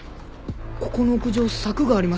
ここの屋上柵があります。